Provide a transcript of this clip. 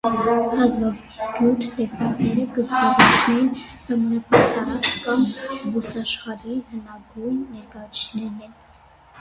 Հազուագիւտ տեսակները կը զբաղեցնեն սահմանափակ տարածք կամ բուսաշխարհի հնագոյն ներկայացուցիչներն են։